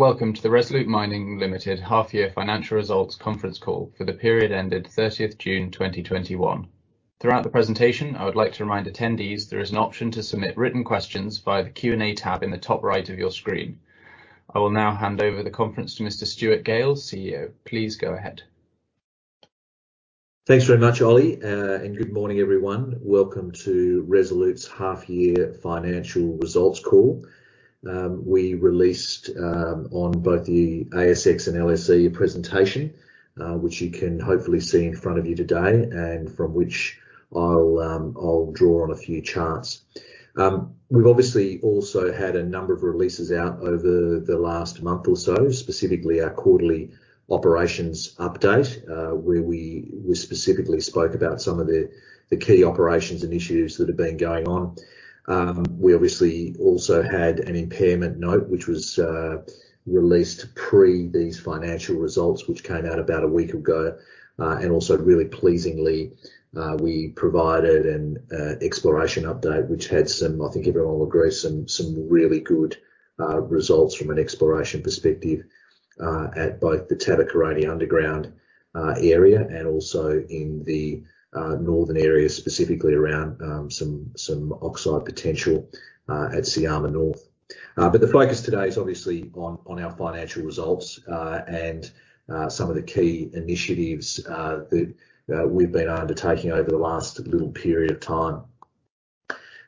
Welcome to the Resolute Mining Limited half-year financial results conference call for the period ended 30th June 2021. Throughout the presentation, I would like to remind attendees there is an option to submit written questions via the Q&A tab in the top right of your screen. I will now hand over the conference to Mr. Stuart Gale, CEO. Please go ahead. Thanks very much, Ollie. Good morning, everyone. Welcome to Resolute's half-year financial results call. We released on both the ASX and LSE presentation, which you can hopefully see in front of you today, and from which I'll draw on a few charts. We've obviously also had a number of releases out over the last month or so, specifically our quarterly operations update, where we specifically spoke about some of the key operations and initiatives that have been going on. We obviously also had an impairment note, which was released pre these financial results, which came out about a week ago. Also really pleasingly, we provided an exploration update, which had some, I think everyone will agree. Some really good results from an exploration perspective, at both the Tabakoroni underground area and also in the northern area, specifically around some oxide potential at Syama North. The focus today is obviously on our financial results and some of the key initiatives that we've been undertaking over the last little period of time.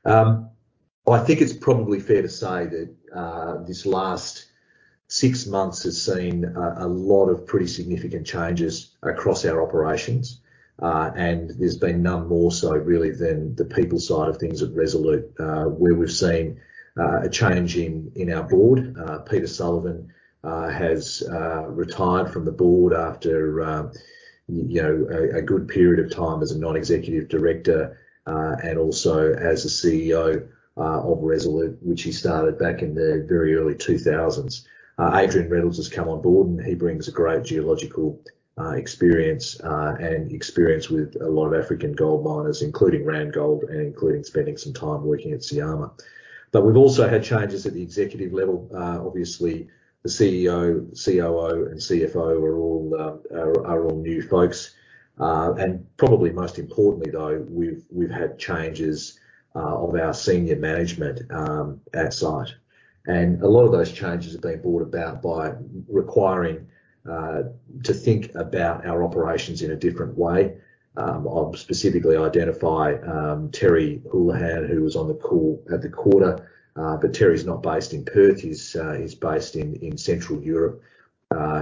I think it's probably fair to say that this last six months has seen a lot of pretty significant changes across our operations. There's been none more so really than the people side of things at Resolute Mining, where we've seen a change in our board. Peter Sullivan has retired from the board after a good period of time as a Non-Executive Director and also as the CEO of Resolute Mining, which he started back in the very early 2000s. Adrian Reynolds has come on board, and he brings a great geological experience and experience with a lot of African gold miners, including Randgold Resources and including spending some time working at Syama. We've also had changes at the executive level. The CEO, COO, and CFO are all new folks. Probably most importantly, though, we've had changes of our senior management at site. A lot of those changes have been brought about by requiring to think about our operations in a different way. I'll specifically identify Terry Holohan, who was on the call at the quarter. Terry's not based in Perth, he's based in Central Europe.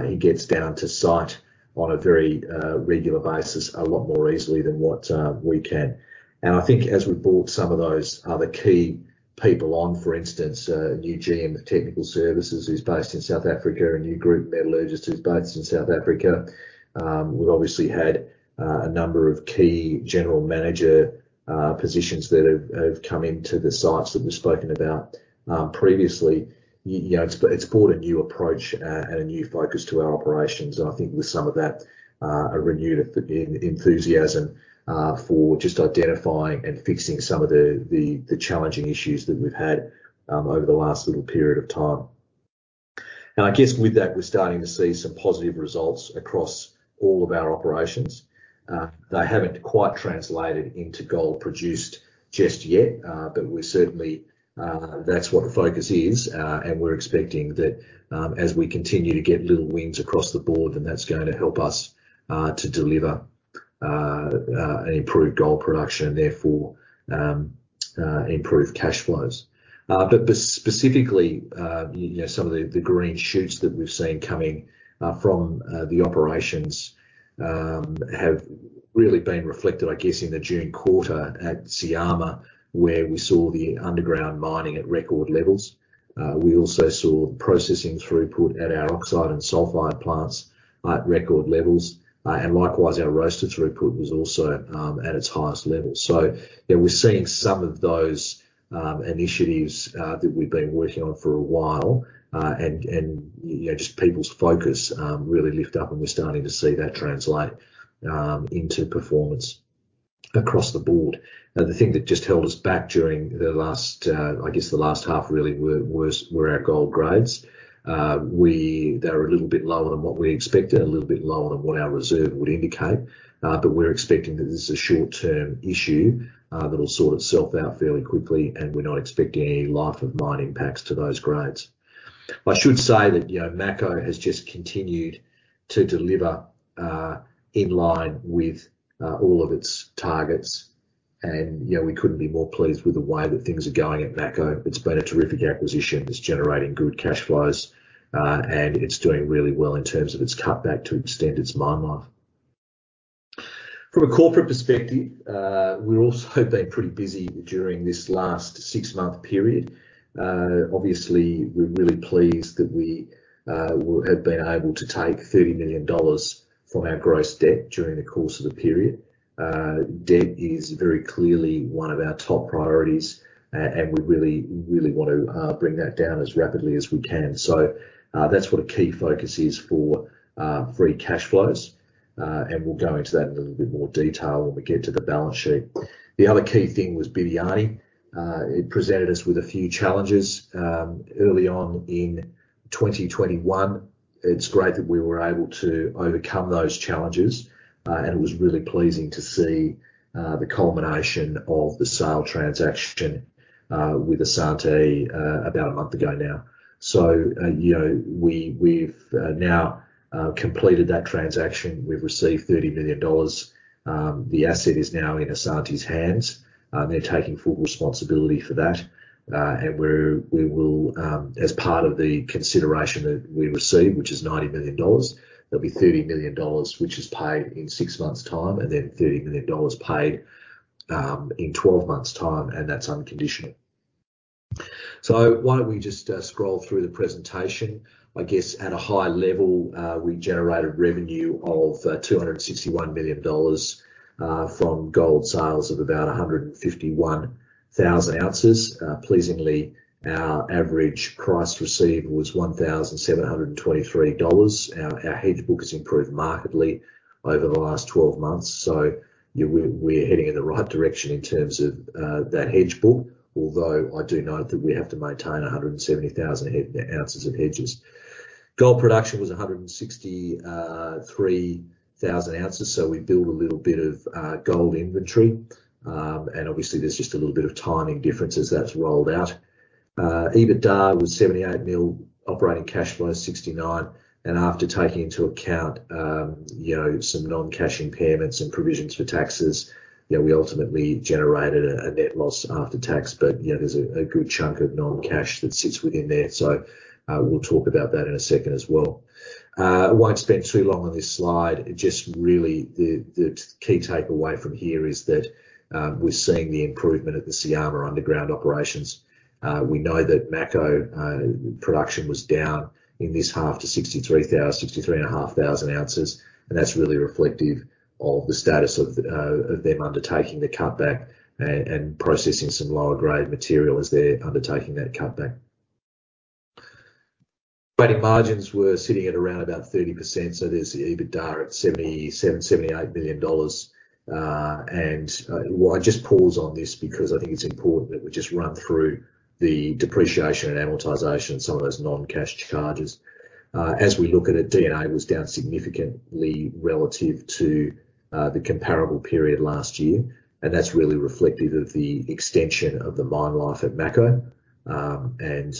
He gets down to site on a very regular basis, a lot more easily than what we can. I think as we've brought some of those other key people on, for instance, a new GM of technical services who's based in South Africa, a new group metallurgist who's based in South Africa. We've obviously had a number of key General Manager positions that have come into the sites that we've spoken about previously. It's brought a new approach and a new focus to our operations, and I think with some of that, a renewed enthusiasm for just identifying and fixing some of the challenging issues that we've had over the last little period of time. I guess with that, we're starting to see some positive results across all of our operations. They haven't quite translated into gold produced just yet. Certainly, that's what the focus is. We're expecting that as we continue to get little wins across the board, then that's going to help us to deliver an improved gold production, therefore improved cash flows. Specifically, some of the green shoots that we've seen coming from the operations have really been reflected, I guess, in the June quarter at Syama, where we saw the underground mining at record levels. We also saw processing throughput at our oxide and sulfide plants at record levels. Likewise, our roaster throughput was also at its highest level. We're seeing some of those initiatives that we've been working on for a while, and just people's focus really lift up and we're starting to see that translate into performance across the board. The thing that just held us back during the last half really were our gold grades. They were a little bit lower than what we expected, a little bit lower than what our reserve would indicate. We're expecting that this is a short-term issue that'll sort itself out fairly quickly, and we're not expecting any life of mine impacts to those grades. I should say that Mako has just continued to deliver in line with all of its targets. We couldn't be more pleased with the way that things are going at Mako. It's been a terrific acquisition. It's generating good cash flows. It's doing really well in terms of its cut back to extend its mine life. From a corporate perspective, we've also been pretty busy during this last six-month period. Obviously, we're really pleased that we have been able to take $30 million from our gross debt during the course of the period. Debt is very clearly one of our top priorities, and we really want to bring that down as rapidly as we can. That's what a key focus is for free cash flows. We'll go into that in a little bit more detail when we get to the balance sheet. The other key thing was Bibiani. It presented us with a few challenges early on in 2021. It's great that we were able to overcome those challenges, and it was really pleasing to see the culmination of the sale transaction with Asante about one month ago now. We've now completed that transaction. We've received $30 million. The asset is now in Asante's hands. They're taking full responsibility for that. As part of the consideration that we receive, which is $90 million, there'll be $30 million, which is paid in six months' time, and then $30 million paid in 12 months' time, and that's unconditional. Why don't we just scroll through the presentation? I guess at a high level, we generated revenue of $261 million from gold sales of about 151,000 ounces. Pleasingly, our average price received was $1,723. Our hedge book has improved markedly over the last 12 months, so we're heading in the right direction in terms of that hedge book. I do note that we have to maintain 170,000 ounces of hedges. Gold production was 163,000 ounces, we build a little bit of gold inventory. Obviously there's just a little bit of timing difference as that's rolled out. EBITDA was $78 million, operating cash flow $69 million. After taking into account some non-cash impairments and provisions for taxes, we ultimately generated a net loss after tax. There's a good chunk of non-cash that sits within there, we'll talk about that in a second as well. I won't spend too long on this slide. Really the key takeaway from here is that we're seeing the improvement at the Syama underground operations. We know that Mako production was down in this half to 63,000 ounces, 63,500 ounces, and that's really reflective of the status of them undertaking the cutback and processing some lower grade material as they're undertaking that cutback. Operating margins were sitting at around about 30%, so there's the EBITDA at $78 billion. I just pause on this because I think it's important that we just run through the depreciation and amortization and some of those non-cash charges. As we look at it, D&A was down significantly relative to the comparable period last year, and that's really reflective of the extension of the mine life at Mako, and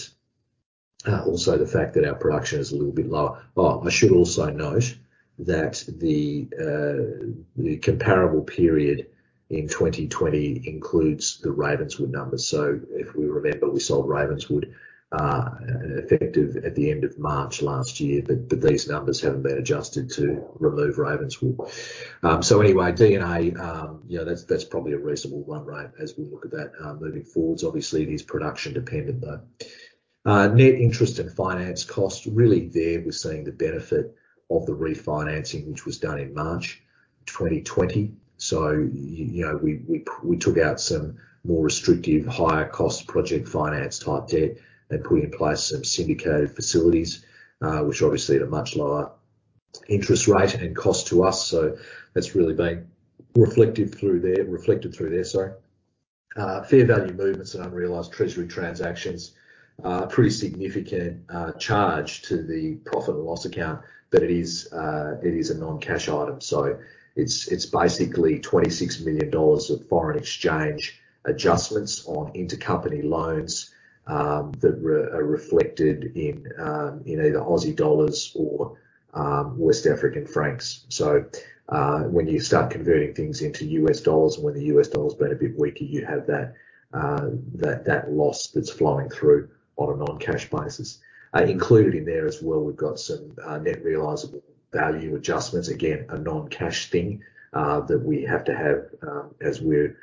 also the fact that our production is a little bit lower. I should also note that the comparable period in 2020 includes the Ravenswood numbers. If we remember, we sold Ravenswood effective at the end of March 2020, but these numbers haven't been adjusted to remove Ravenswood. Anyway, D&A, that's probably a reasonable one, right, as we look at that moving forwards. Obviously, it is production dependent, though. Net interest and finance cost, really there we're seeing the benefit of the refinancing, which was done in March 2020. We took out some more restrictive, higher cost project finance type debt and put in place some syndicated facilities, which obviously at a much lower interest rate and cost to us. That's really been reflected through there. Fair value movements and unrealized treasury transactions. Pretty significant charge to the profit and loss account, it is a non-cash item. It's basically $26 million of foreign exchange adjustments on intercompany loans that are reflected in either AUD or XOF. When you start converting things into U.S. dollars and when the U.S. dollar's been a bit weaker, you have that loss that's flowing through on a non-cash basis. Included in there as well, we've got some net realizable value adjustments. Again, a non-cash thing that we have to have as we're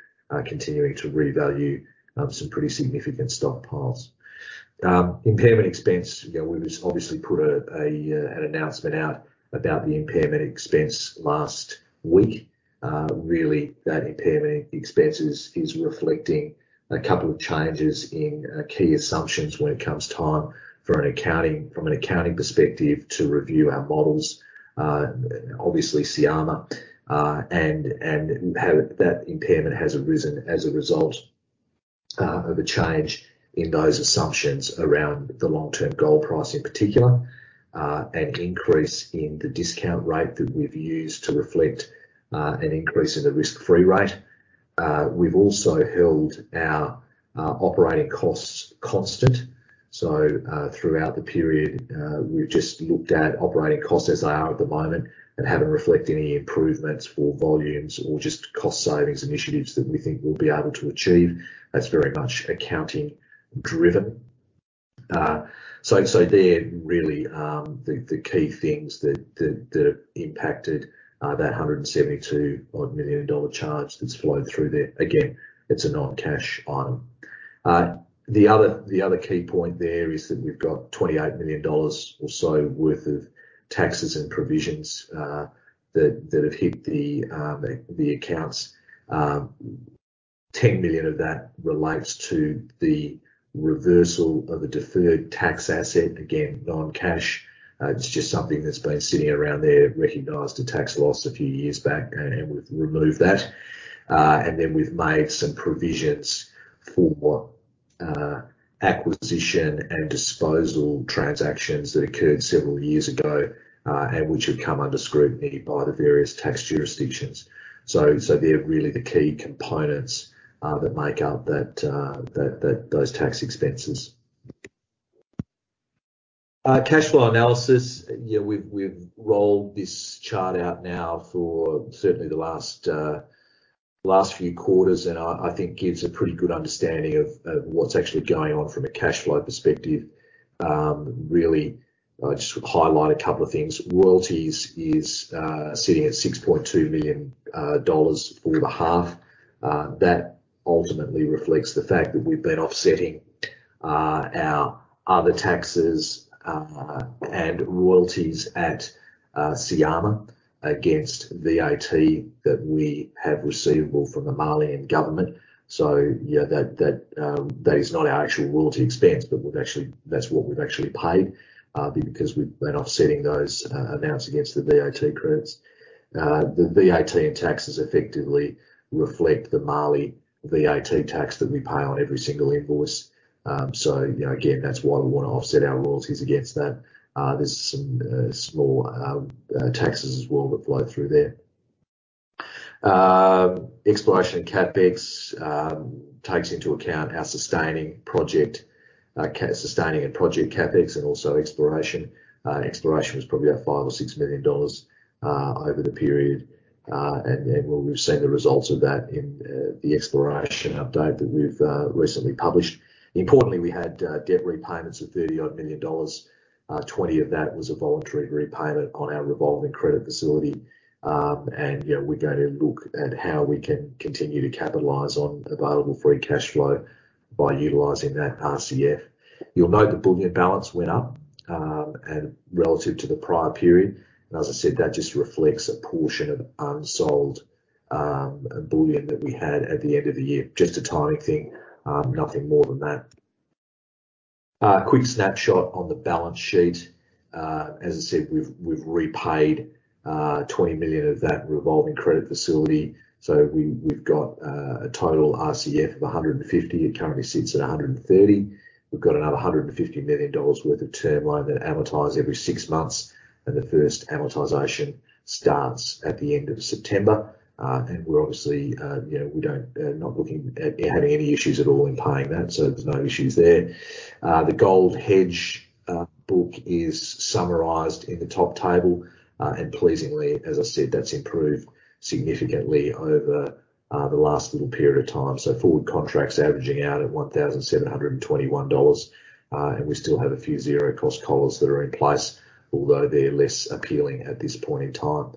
continuing to revalue some pretty significant stockpiles. Impairment expense. We obviously put an announcement out about the impairment expense last week. That impairment expense is reflecting a couple of changes in key assumptions when it comes time from an accounting perspective to review our models, obviously Syama, and that impairment has arisen as a result of a change in those assumptions around the long-term gold price in particular, an increase in the discount rate that we've used to reflect an increase in the risk-free rate. We've also held our operating costs constant. Throughout the period, we've just looked at operating costs as they are at the moment and haven't reflected any improvements for volumes or just cost savings initiatives that we think we'll be able to achieve. That's very much accounting driven. There, really, the key things that impacted that $172 odd million charge that's flowed through there. Again, it's a non-cash item. The other key point there is that we've got $28 million or so worth of taxes and provisions that have hit the accounts. $10 million of that relates to the reversal of a deferred tax asset. Again, non-cash. It's just something that's been sitting around there, recognized a tax loss a few years back, and we've removed that. We've made some provisions for acquisition and disposal transactions that occurred several years ago, and which have come under scrutiny by the various tax jurisdictions. They're really the key components that make up those tax expenses. Cashflow analysis. We've rolled this chart out now for certainly the last few quarters, and I think gives a pretty good understanding of what's actually going on from a cashflow perspective. Really just to highlight a couple of things. Royalties is sitting at $6.2 million for the half. That ultimately reflects the fact that we've been offsetting our other taxes and royalties at Syama against VAT that we have receivable from the Malian government. That is not our actual royalty expense, but that's what we've actually paid, because we've been offsetting those amounts against the VAT credits. The VAT and taxes effectively reflect the Mali VAT tax that we pay on every single invoice. Again, that's why we want to offset our royalties against that. There's some small taxes as well that flow through there. Exploration CapEx takes into account our sustaining and project CapEx, and also exploration. Exploration was probably our $5 million or $6 million over the period, and then we've seen the results of that in the exploration update that we've recently published. Importantly, we had debt repayments of 30 million dollars odd. 20 million of that was a voluntary repayment on our revolving credit facility. We're going to look at how we can continue to capitalize on available free cash flow by utilizing that RCF. You'll note the bullion balance went up relative to the prior period. As I said, that just reflects a portion of unsold bullion that we had at the end of the year. Just a timing thing, nothing more than that. A quick snapshot on the balance sheet. As I said, we've repaid $20 million of that revolving credit facility. We've got a total RCF of $150 million. It currently sits at $130 million. We've got another $150 million worth of term loan that amortizes every six months. The first amortization starts at the end of September. We're obviously not looking at having any issues at all in paying that. There's no issues there. The gold hedge book is summarized in the top table. Pleasingly, as I said, that's improved significantly over the last little period of time. Forward contracts averaging out at $1,721. We still have a few zero-cost collars that are in place, although they're less appealing at this point in time.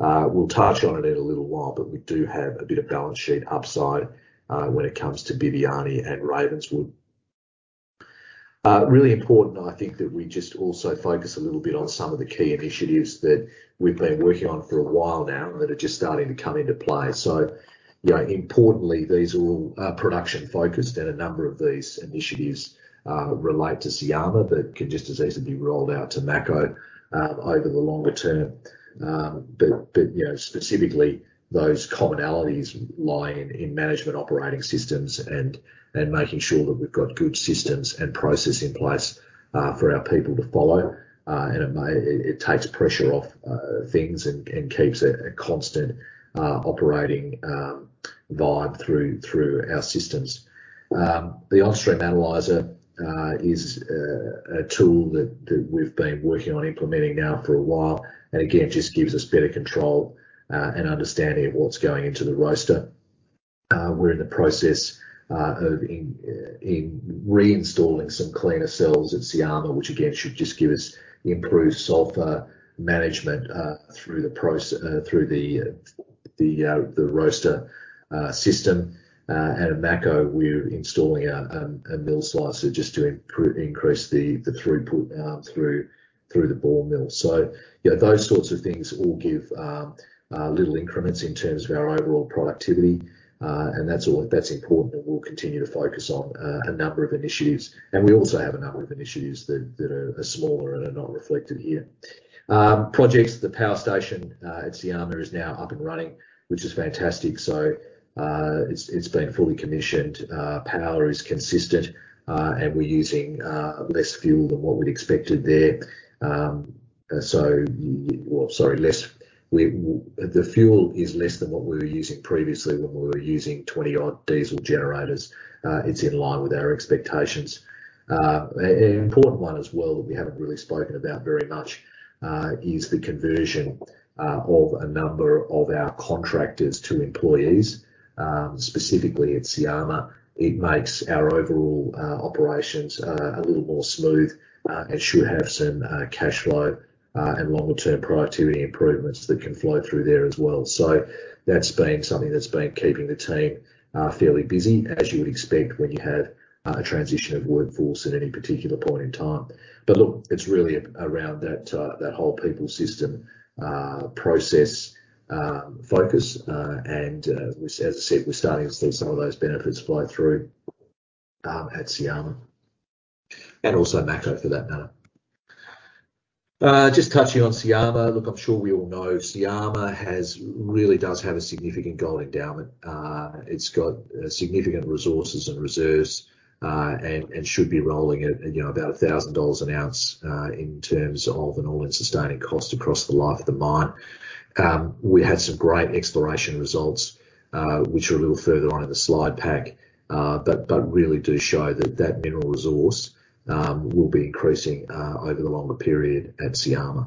We'll touch on it in a little while. We do have a bit of balance sheet upside when it comes to Bibiani and Ravenswood. Really important, I think, that we just also focus a little bit on some of the key initiatives that we've been working on for a while now, and that are just starting to come into play. Importantly, these all are production focused, and a number of these initiatives relate to Syama that can just as easily be rolled out to Mako over the longer term. Specifically, those commonalities lie in management operating systems and making sure that we've got good systems and process in place for our people to follow. It takes pressure off things and keeps a constant operating vibe through our systems. The on-stream analyzer is a tool that we've been working on implementing now for a while, and again, just gives us better control and understanding of what's going into the roaster. We're in the process of reinstalling some cleaner cells at Syama, which again, should just give us improved sulfur management through the roaster system. At Mako, we're installing a mill slicer just to increase the throughput through the ball mill. Those sorts of things all give little increments in terms of our overall productivity. That's important, and we'll continue to focus on a number of initiatives. We also have a number of initiatives that are smaller and are not reflected here. Projects, the power station at Syama is now up and running, which is fantastic. It's been fully commissioned. Power is consistent. We're using less fuel than what we'd expected there. Well, sorry. The fuel is less than what we were using previously when we were using 20 odd diesel generators. It's in line with our expectations. An important one as well that we haven't really spoken about very much is the conversion of a number of our contractors to employees, specifically at Syama. It makes our overall operations a little more smooth and should have some cashflow and longer term productivity improvements that can flow through there as well. That's been something that's been keeping the team fairly busy, as you would expect when you have a transition of workforce at any particular point in time. Look, it's really around that whole people system, process focus, and as I said, we're starting to see some of those benefits flow through at Syama. And also Mako for that matter. Just touching on Syama. Look, I'm sure we all know Syama really does have a significant gold endowment. It's got significant resources and reserves, should be rolling at about $1,000 an ounce in terms of an all-in sustaining cost across the life of the mine. We had some great exploration results, which are a little further on in the slide pack, but really do show that that mineral resource will be increasing over the longer period at Syama.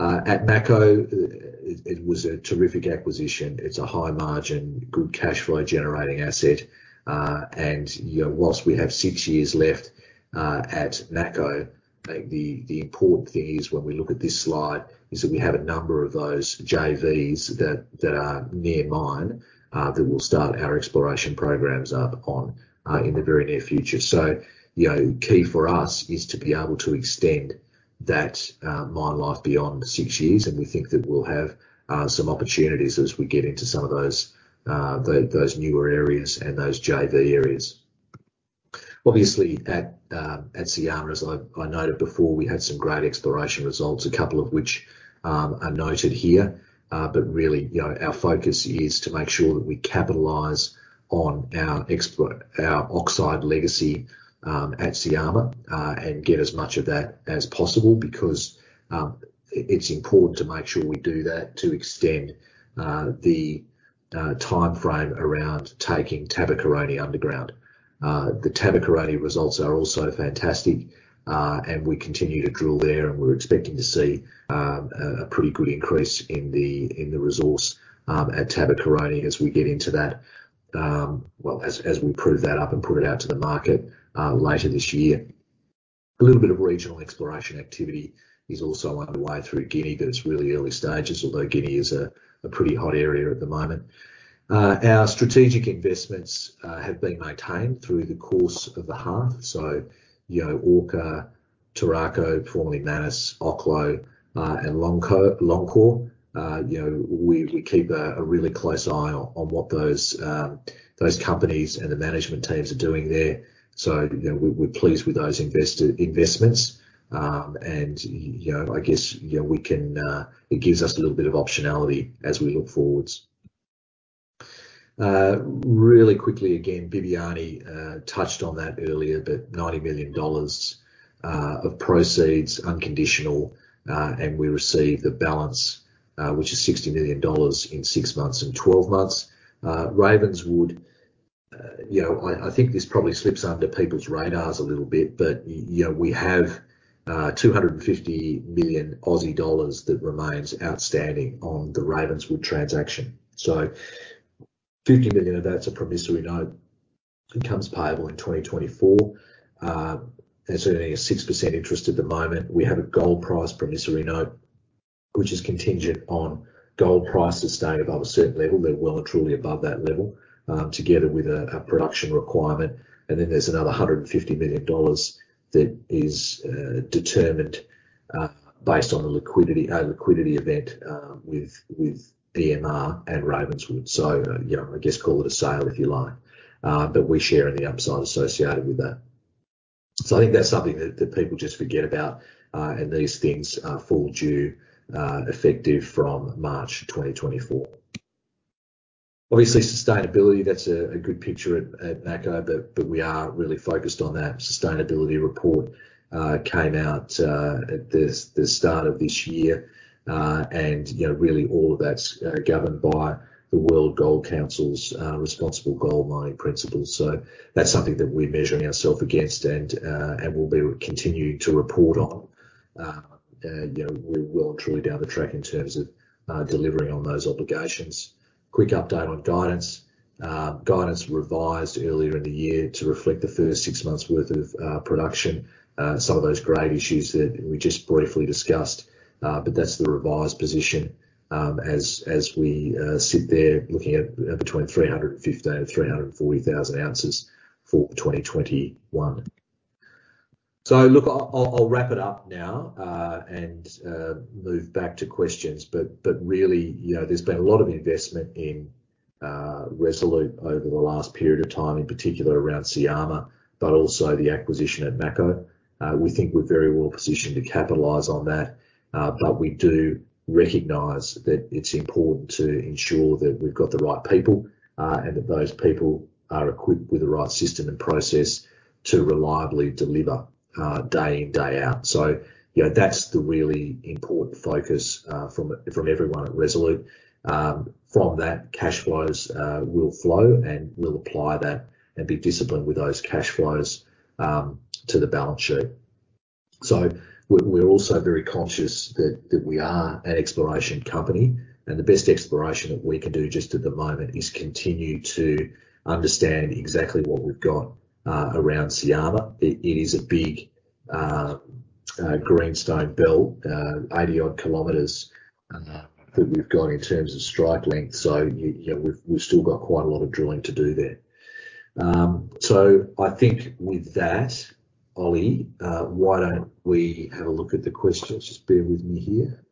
At Mako, it was a terrific acquisition. It's a high margin, good cash flow generating asset. Whilst we have six years left at Mako, the important thing is when we look at this slide, is that we have a number of those JVs that are near mine, that we'll start our exploration programs up on in the very near future. Key for us is to be able to extend that mine life beyond six years, and we think that we'll have some opportunities as we get into some of those newer areas and those JV areas. Obviously at Syama, as I noted before, we had some great exploration results, a couple of which are noted here. Really, our focus is to make sure that we capitalize on our oxide legacy at Syama, and get as much of that as possible, because it's important to make sure we do that to extend the timeframe around taking Tabakoroni underground. The Tabakoroni results are also fantastic, and we continue to drill there, and we're expecting to see a pretty good increase in the resource at Tabakoroni as we prove that up and put it out to the market later this year. A little bit of regional exploration activity is also underway through Guinea, but it's really early stages, although Guinea is a pretty hot area at the moment. Strategic investments we've maintained through the course, Orca, Turaco Gold, formerly Manas, Oklo, and Loncor. We keep a really close eye on what those companies and the management teams are doing there. We're pleased with those investments. It gives us a little bit of optionality as we look forwards. Really quickly, again, Bibiani touched on that earlier, but $90 million of proceeds unconditional, and we receive the balance, which is $60 million in six months and 12 months. Ravenswood, I think this probably slips under people's radars a little bit, but we have 250 million Aussie dollars that remains outstanding on the Ravenswood transaction. 50 million of that's a promissory note that becomes payable in 2024. That's earning a 6% interest at the moment. We have a gold price promissory note, which is contingent on gold price staying above a certain level. They're well and truly above that level, together with a production requirement. There's another $150 million that is determined based on a liquidity event with EMR and Ravenswood. I guess call it a sale if you like. We share in the upside associated with that. I think that's something that people just forget about, and these things are fall due effective from March 2024. Sustainability, that's a good picture at Mako, we are really focused on that. Sustainability report came out at the start of this year. All of that's governed by the World Gold Council's Responsible Gold Mining Principles. That's something that we're measuring ourselves against and we'll be continuing to report on. We're well and truly down the track in terms of delivering on those obligations. Quick update on guidance. Guidance revised earlier in the year to reflect the first six months worth of production. Some of those grade issues that we just briefly discussed. That's the revised position as we sit there looking at between 315,000 ounces-340,000 ounces for 2021. I'll wrap it up now and move back to questions. Really, there's been a lot of investment in Resolute over the last period of time, in particular around Syama, but also the acquisition at Mako. We think we're very well positioned to capitalize on that. We do recognize that it's important to ensure that we've got the right people, and that those people are equipped with the right system and process to reliably deliver day in, day out. That's the really important focus from everyone at Resolute. From that, cash flows will flow, and we'll apply that and be disciplined with those cash flows to the balance sheet. We're also very conscious that we are an exploration company, and the best exploration that we can do just at the moment is continue to understand exactly what we've got around Syama. It is a big greenstone belt, 80 km odd that we've got in terms of strike length. We've still got quite a lot of drilling to do there. I think with that, Ollie, why don't we have a look at the questions. Just bear with me here,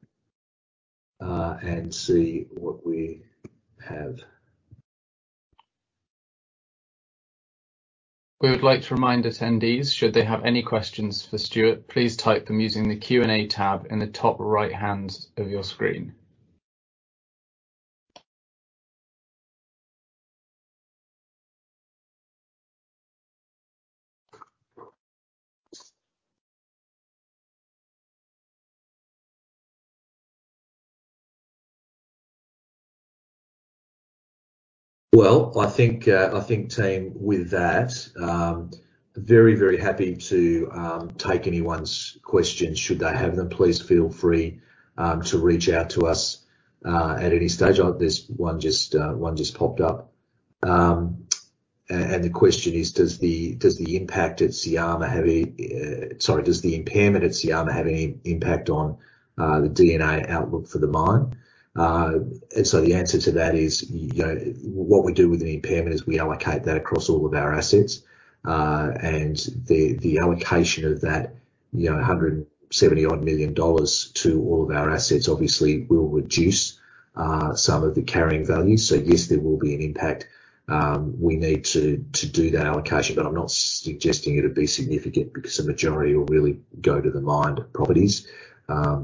and see what we have. We would like to remind attendees, should they have any questions for Stuart, please type them using the Q&A tab in the top right-hand of your screen. Well, I think, team, with that, very, very happy to take anyone's questions should they have them. Please feel free to reach out to us, at any stage. There's one just popped up. The question is, "Does the impairment at Syama have any impact on the D&A outlook for the mine?" The answer to that is, what we do with an impairment is we allocate that across all of our assets. The allocation of that, $170 million odd to all of our assets obviously will reduce some of the carrying values. Yes, there will be an impact. We need to do that allocation. I'm not suggesting it'd be significant because the majority will really go to the mine properties,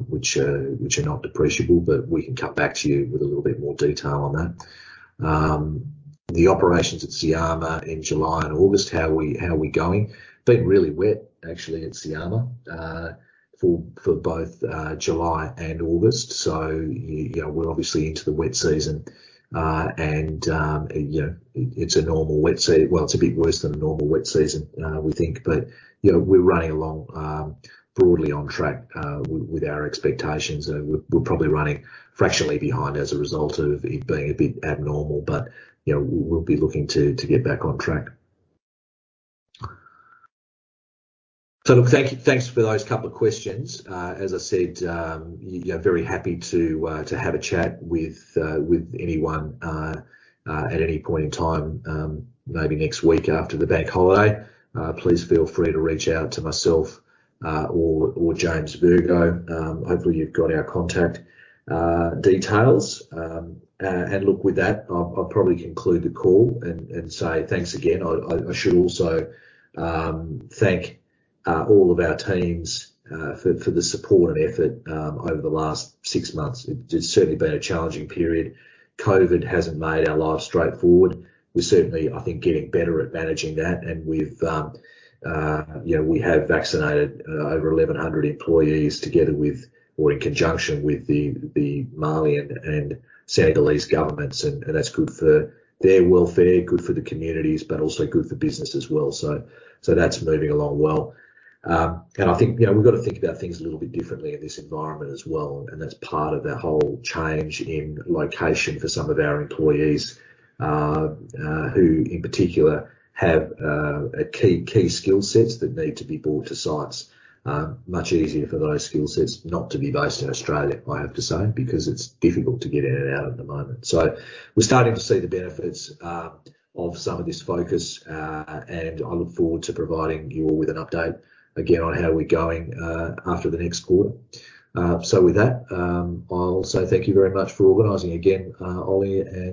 which are not depreciable. We can come back to you with a little bit more detail on that. The operations at Syama in July and August, how are we going? It's been really wet, actually, at Syama, for both July and August. We're obviously into the wet season. It's a normal wet season. Well, it's a bit worse than a normal wet season, we think. We're running along, broadly on track, with our expectations. We're probably running fractionally behind as a result of it being a bit abnormal but we'll be looking to get back on track. Look, thanks for those couple of questions. As I said, very happy to have a chat with anyone, at any point in time, maybe next week after the bank holiday. Please feel free to reach out to myself, or James Virgo. Hopefully, you've got our contact details. Look, with that, I'll probably conclude the call and say thanks again. I should also thank all of our teams for the support and effort over the last six months. It's certainly been a challenging period. COVID hasn't made our lives straightforward. We're certainly, I think, getting better at managing that. We have vaccinated over 1,100 employees together with, or in conjunction with the Mali and Senegalese governments, and that's good for their welfare, good for the communities, but also good for business as well. That's moving along well. I think, we've got to think about things a little bit differently in this environment as well, and that's part of that whole change in location for some of our employees, who in particular have key skill sets that need to be brought to sites. Much easier for those skill sets not to be based in Australia, I have to say, because it's difficult to get in and out at the moment. We're starting to see the benefits of some of this focus. I look forward to providing you all with an update again on how we're going, after the next quarter. With that, I'll say thank you very much for organizing again, Ollie and